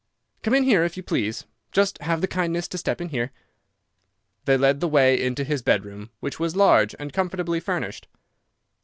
"Come in here, if you please. Just have the kindness to step in here." He led the way into his bedroom, which was large and comfortably furnished.